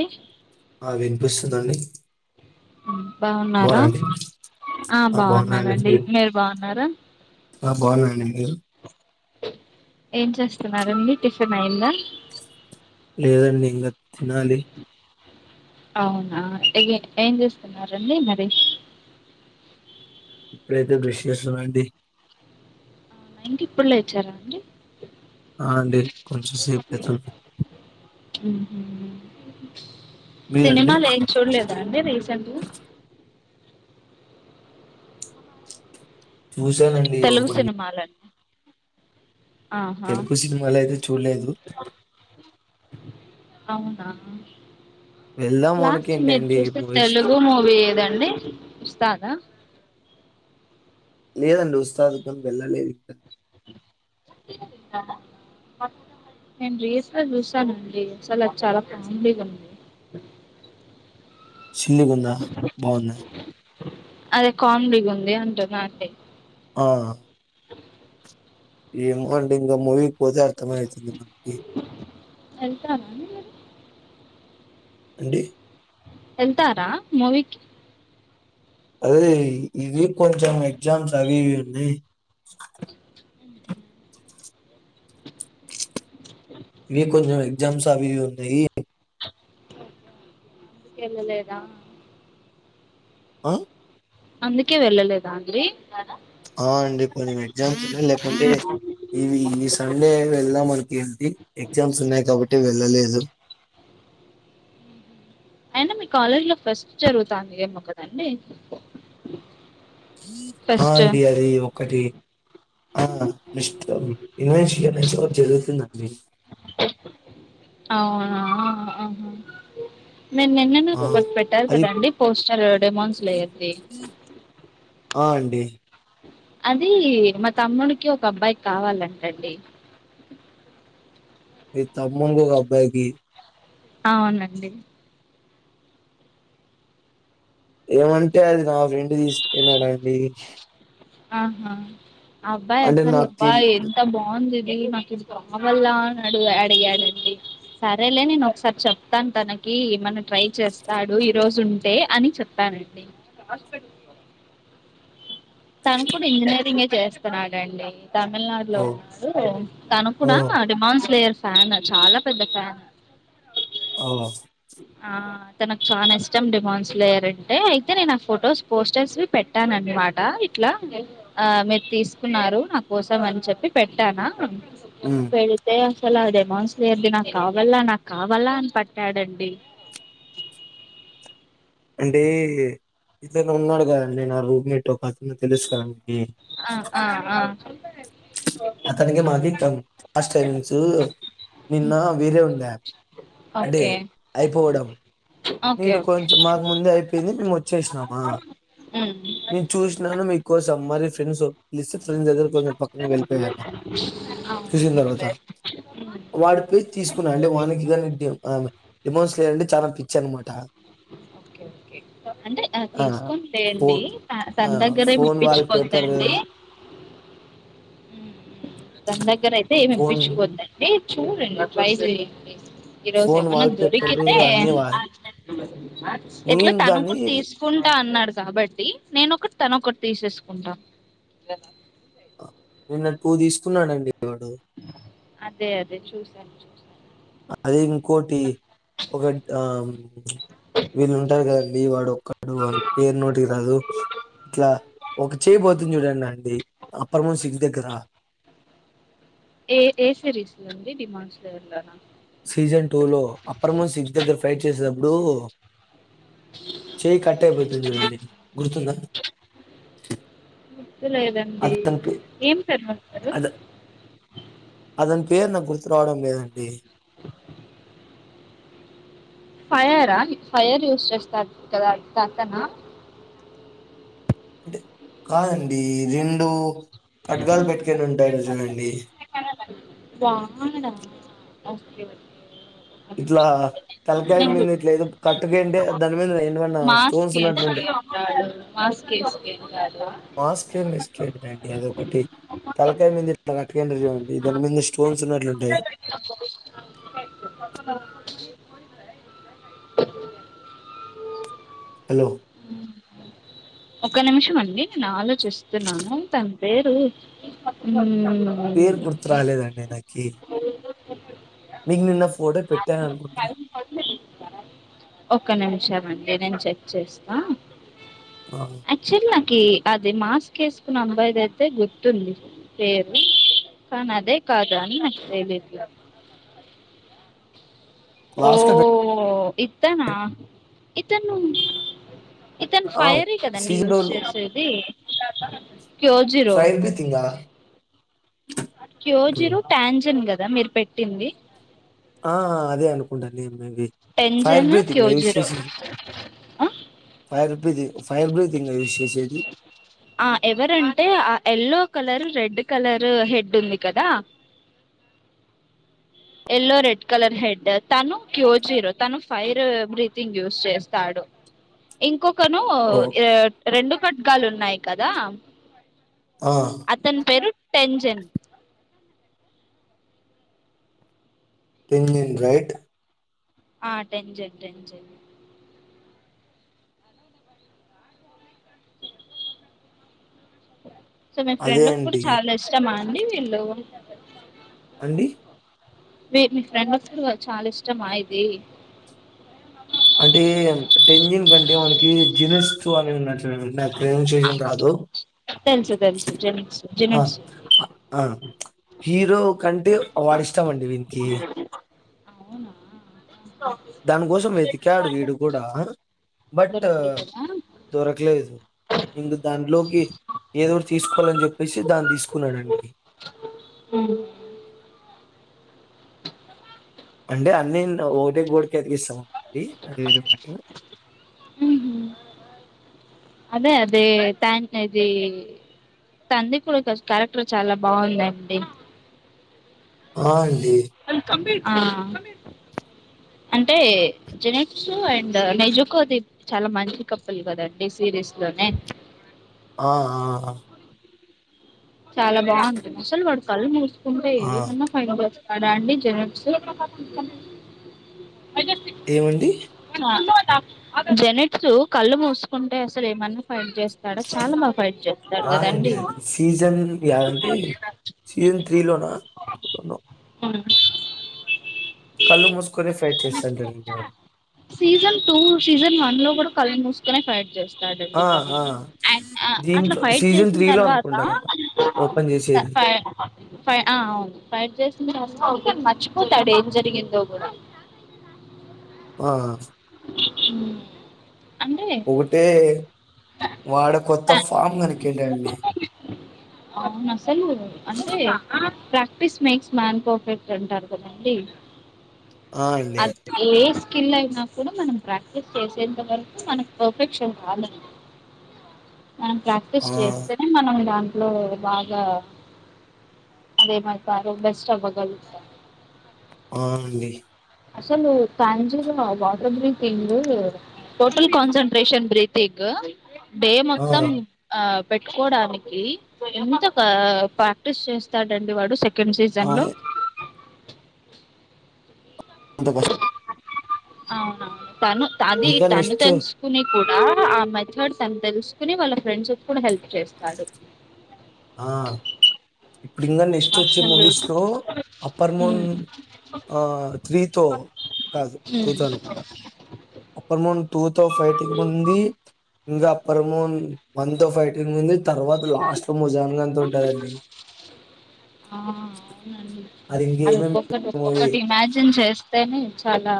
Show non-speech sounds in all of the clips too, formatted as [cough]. ఏ ఆ వినిపిస్తుందండి బాగున్నా బాగున్నారా అండి ఆ బాగున్నానండి మీరు బాగున్నారా ఆ బాగున్నా అండి మీరు ఏం చేస్తున్నారండి టిఫిన్ అయిందా లేదండి ఇంకా తినాలి అవునా ఏం చేస్తున్నారంండి మరి ఇప్పుడైతే దృశషంమడి ఏంటి ఇప్పుడు లేచారా అండి ఆ అండి కొంచెంసేపు పెతుంది ఆ మీరండి సినిమాలు ఏం చూడలేదా అండి రీసెంట్గా చూసానండి ఒక తెలుగు కొన్ని సినిమాలండి ఆహా ఎందుకు సినిమాలు అయితే చూడలేదు అవునా వెళ్దాం లాస్ట్ అనుకుంటి మీరు అండి చూసే మూవీస్ కి తెలుగు మూవీ ఏదండి అే ఇస్తాదా లేదండి ఉస్తాదుకం వెళ్ళలే ఇంకా ఎస విసా నేను రీల్స్ లో చూశానండి చాల చాలా పండిగావుంది సిల్లిగుంద బాగున్నా అదే కామిలీగ ఉంది అంటున్న అంటే ఆ ఇంగ్ మండింగా మువి పోతే అర్థమతుందంది మనకి వెళ్తారా అండి మీరు అండి వెళ్తారా మూవీ కి అదే ఇవి కొంచెం ఎగ్జామ్స్ అవివి ఉన్నాయ్ ఇవి కొంచం జమ్స్ అవి ఇవి ఉన్నాయి ఎల్ల లేదా ఆ అందుకే వెళ్ళలేదా అందీ ఆ అండి కొంచెం ఎగ్జామ్స్ ఉన్నాయి లేకుంటే ఇవి ఈ సండే వెళ్దాం మనకి ఏళ్ది ఎగ్జామ్స్ ఉన్నాయి కాబట్టి వెళ్ళలేదు హలో అయినా మీ కాలేజ్ లో ఫస్ట్ జరుగుతాంది ఏమో కదండి ఆ ఫెస్ట్ అండి అది ఒకటి ఆ ఇష్టం ఇ జరుతు నీ అవునా నేను నిన్న ఆ నాకు ఒకటి పెట్టారు అది కదండి పోస్టర్ డెమోన్స్ లు అయింది అ అండి అదీ మా తమ్ముడికి ఒక అబ్బాయికి కావాలంటండి. మీ తమ్మున్గొగబ్బాయికి అవునండి ఏమంటే అది నా ఫ్రెండ్ తీసుకెళ్ళడంండి ఆహా ఆ అబ్బాయి అసలు నాకు అబ్బా తెలి ఎంత బాగుంది మాకు ఇది కావాలా అన్నాడు యాడ్ అయ్యాడంండి సరేలే నేను ఒకసారి చెప్తాను తనకి ఏమన్నా ట్రై చేస్తాడు ఇప్ ఈ రోజు ఉంటే అని చెప్పానండి. తను కూడా ఇంజనీరింగే చేస్తున్నాడండి తమిళనాడులో ఓ ఉన్నాడు తను ఓ కూడా డిమాండ్స్ లేయర్స్ ఫ్యాన్ చాలా పెద్ద ఫ్యాన్ అవ్ అవ్ ఆ తనకు చానా ఇష్టం డిమాండ్స్ లేయర్ అంటే అయితే నేను ఆ ఫొటోస్ పోస్టర్స్ పెట్టానన్మాట ఇట్లా ఆ మీరు తీసుకున్నారు నా కోసం అని చెప్పి పెట్టానా ఉమ్ వెళ్లీతే తెల్లర్ దేమన్స్లేయర్ది నాకు కావాల నాకు కావాలా అని పట్టాడండి. డి అంటే ఇద్దనే ఉన్నాడు కదండడి నే నా ఆ రూమ్ మీేట్ ఒక అతను తెలుసు కదాకి ఆ ఆ ఆ అతనికి మాకి కం ఫస్ట్ టైమింగ్స్ నిన్న వేరే ఉందా అంటే ఓకే అయిపోవడం. ఓకే నేను ఓకే కొంచెం మాకు ముందే అయిపోయింది మేము వచ్చేసినామా నేను చూసినాను మీకోసం మరి పెన్సు లేస్తే ఫ్రెండ్స్ దగ్గర కొంచెం పక్కంగా వెళ్ళిపోయాను చూసిన తర్వాత వాడి పెయ్ తీసుకున్నాడంటే వానికి గనీ డిమ్ ఆమె డిమోస్ లేయర్ అంటే చానా పిచ్ చెన్మఠ ఒకే ఒకే అంటే ఆ తీస్కోన్ లే అండి ఫోన్ త తన్ దగ్గరే ఫోన్ వాల్ పేపర్ మిప్పిచుకోద్ధండి తన దగ్గర అయితే ఏమి ఫోన్ ఇప్పించుకోవద్దండి. చూడండి ట్రై జేయండి ఈ ఫోన్ రోజేమన్నా వాల్ పేపర్ దొరికితే అన్ని వాల్ ఎట్లో నేను తను దాన్ని కూడ తీసుకుంటా అన్నాడు కాబట్టి నేనొకటి తనొకటి తీసేసు ఉంటా నిన్న టూ తీసుకున్నానండి అదే అదే చూసాను అదే ఇంకోటి ఒగట్ ఆ వీళ్ళు ఉంటారు కదండి వాడు ఒక్కడు వాని పేరు నోటికి రాదు ఇట్లా ఒక చేయ్ పోతుంది చూడండండి అప్పరము సిక్స్ దగ్గర ఏ ఏసరీస్ లో అండి డిమాండ్స్ లో వెళ్నా సీజన్ టూ లో అప్పర్మన్ సిక్స్ దగ్గర ఫైట్ చేసేతప్పుడు చేయి కట్ అయిపోతుంది చూడండి గుర్తుందా గుర్తులేదండి అనిపి ఏం పేరు పెడతారు అదే అ అతని పేరు నాకు గుర్తు రావడం లేదండి ఫైరా అంటే ఖడ్గాలు బెట్టుకొని ఉంటారు జూడండి వాన పడింది ఇట్లా తలకాయ మీంద గు- ఇట్ల ఏదో కట్ మాస్ కేసు ఉన్నట్లుంటాయి కెంటాడు మాస్క్ ఏసుకెంటాడు మాస్కే మిస్కేండండి అదొకటి తలకాయ మింద ఇట్ల గట్ త్రాహండ్రెడ్ సెవెన్ బీ దాని మీద స్టోన్స్ ఉన్నట్లుంటాయ్ హలో ఒక్క నిమిషం అండి నా ఆలోచిస్తున్నాను తన పేరు ఊ పేరు గుర్తురాలేదండి నాకి మీకు నిన్న ఫోటో పెట్ కలిపి కొడితే తీసకరా ఒక్క నిమిషం అండి నేను చెక్ చేస్తా ఆ, అచ్చన్న కే అది మాస్క్ వేసుకుని నంబర్ అయితే గుర్తుంది పేరు కానీ అదే కాద అని నాకు తెలీయదు ఓ లాస్ట్ లో పెట్- ఇత్తనా ఇతను ఇతను ఆ, ఫైరే కదండి సీజన్ యూజ్ డోర్ చేసేది ఫైర్ బ్రీతింగా క్యోజిరు ట్యాంజన్ గద్ దా మీరు పెట్టింది ఆ అదే అనుకుంటాను నేను ఏంది బిజి ఫైర్ టెంజన్ బ్రీతింగా యూజ్ క్యోజిరో ఆ? చేసేది ఆ ఎవరంటే ఆ yellow colour red colour head ఉంది కదా ఎల్లో రెడ్ కలర్ హెడ్ తను క్యో జీరో తను ఫైర్ బ్రీతింగ్ యూస్ చేస్తాడు ఇంకొక్ కను ఓ ఎ రెండు ఖడ్గాలు ఉన్నాయ్ కదా అతని పేరు పెంజన్ టెన్జన్ రైట్ ఆ టెన్జన్ టెన్జన్ సో మీ అదే ఫ్రెండ్ కి కూడా అండి చాలా ఇష్టమా మళ్ళీ వెళ్ళు అండి మీ మీ ఫ్రెండ్ చాలా ఇష్టమా ఇది అంటే టెంజిన్ కంటే మనకి జినస్తు అని ఉన్నది నా ప్రేమ చేయడం రాదు... తెలుసు తెలుసు జెనిక్స్ ఆ జెనిట్స్ ఆ హీరో కంటే వాడిస్తామండి వీనికి అవునా దానికోసం వెేతి క్క్యాడు వీడు కూడా బట్ దొరకలేదా దొరకలేదు ఇందు దాంట్లోకి ఏదోఒకటి తీసుకోవాలని చెప్పేసి దాన్ని తీసుకున్నాడండి ఉ అంటే అన్నీ ఒకటే గోడికి అతికిస్తాం ఇ అది వినపట్లే అదే అదే ఇది [unintelligible] తందికుడికి క్యారెక్టర్ చాలా బాగుందండి ఆ అండి. అ కంప్లీట్ ఆ అంటే జెనెక్స్ అండ్ నైజుకో అది చాలా మంచి కప్పుల్ కదండి సీరీస్ ఆ ఆ చాలా బావుంటుంది అసలు వాడు కళ్ళు మూసు ఉంటయి ఆ! ఎమన్న ఫైన్ బేచ్ అదండి జెనప్స్ అ ఏమండి? [unintelligible] జెనట్స్ కళ్ళు మూసుకుంటే అసలు ఏమన్నా ఫై చేస్తాడా చాలా మా ఫైట్ చేస్తాడు ఆ! అండి కదంీ అది. సీజన్ యాంటి సీజన్ త్రీ లోనా. నో మూసుకొని ఫైట్' చేస్తుంటాడండి వాడు. సీజన్ టూ సీజన్ వన్ లో కూడా కళ్ళు మూసుకునే ఫైడ్ చేస్తాం ఆ! ఆ! అడ్ అట్లా దీంట్లో ఫైట్ సీజన్ చేసిన తర్వాత అనుకుంటా కదా! ఓ ఓపెన్ ఆ చేసేది. ఫై ఫై అవును ఫైట్ చేసి కే మర్చిపోతాడు ఏం జరిగిందో కూడా ఆ హ్మ్ ఒకటే వాడు కొత్త త- ఫామ్ [unintelligible] అవును అస చలు అంటే ప్రాక్టీస్ మేక్స్ మ్యాన్ పర్ఫెక్ట్ అంటారు కదండి ఆ! అండి. అదే లేస్ [unintelligible] కూడా మనం ప్రాక్టీస్ చేసేంత వరకు మనకు పర్ఫెక్షన్ రాదండి. మనం ప్రాక్టీస్ ఆ! చేస్తేనే మనం అట్లో బాగా అదేమతారుో బెస్ట్ అవ్వగలుగుతారు ఆ అండి అసలు త్యాంజీ water breathing total concentration breathing డే ఆ! మొత్తం ఆ పెట్టుకోవడానికి ఎంత ఆ ప్రాక్టీస్ చేస్తాడండి వాడు ఆ! సీజన్ లో అంత పశ అవును అవును తను అది ఇంకా తను నెక్స్ట్ తెలుసుకుని ఆ మెథడ్ తని తెలుసుకుని వాళ్ళ ఫ్రెండ్స్ కూడా హెల్ప్ చేస్తాడు ఆ ఇప్పుడు ఇంకా నెక్స్ట్ వచ్చే అసలు మూవీస్ లో అప్పర్ మోన్ ఉమ్ త్రీతో కాదు ఉమ్. టూతో అనుకుంటా అప్పర్మం టూ తో ఫైటింగ్ ఉంది ఇంగ పర్మోన్ వన్ తో ఫైటింగ్ ఉంది. తర్వాత లాస్ట్ లో ముజాన్గా అంత ఉంటుందండి ఆ అవునండి అది ఇంకేమేమి ఒక్కొక్కటి మ ఒక్కొక్కటి ఇమాజిన్ చేస్తేనే చాలా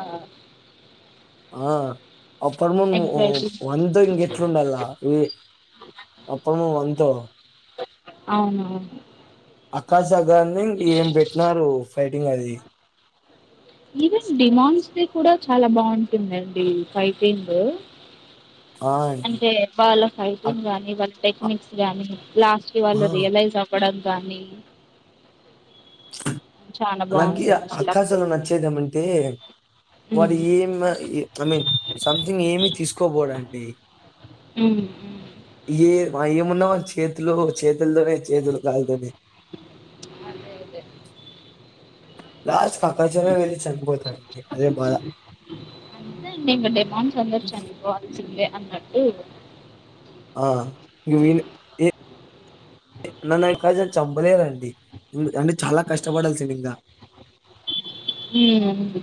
ఆ అప్పుడుము ఎంగ్జైటింగ్ వంతో ఇంకెట్లుండాల ఇ అప్పుడుము వంతో అవునవును ఆకాశ సగాన్ని ఏం పెట్టినారు ఫైటింగ్ అది ఈవెన్ డిమాండ్స్ ది కూడా చాలా బాగుంటుందండి ఫైటింగ్ ఆ అండి అంటే వాళ్ళ అక్- ఫైటింగ్ గానీ వాళ్ళ ఆ, టెక్నిక్స్ గానీ లాస్ట్ కి ఆ. వాళ్ళు రియలైజ్ అవ్వడం కానీ నాకి బాగుంటుంది అసలు ఆకాష్ లో నచ్చేదేమంటే వాడు ఉమ్ ఏమి ఐ మీన్ సంథింగ్ ఏమి తీసుకోన్ పోడాంటి ఉమ్ ఉమ్ ఏ ఏ మొన్న వచ్చి చేతులో చేతుల దనే చేతులు కాల్తున్నాయి అదే అదే లాస్ట్ ప్రకానే వెళ్ళి చేసిపోతారు అదే బాగా అంటే ఇంగ [unintelligible] మ సందరించా అం ఇకో అే అన్నట్టు ఆ నువ్ [unintelligible] [unintelligible] చంపలేరండి అంటే చాలా కష్టపడాల్సింది ఇంగా ఊ ఉంది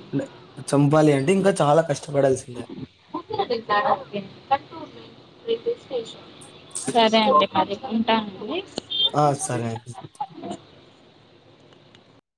చంపాలి అంటే ఇంకా చాలా కష్టపడాల్సిందే ముందణ నిల్దన [unintelligible] రైల్వే స్టేషన్ సరే అండి మరి ఉంటా అండి ఆ సరే అండి